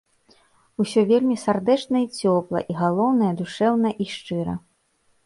Усё вельмі сардэчна і цёпла і, галоўнае, душэўна і шчыра.